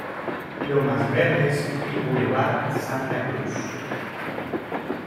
Lomas Verdes y Boulevard Santa Cruz.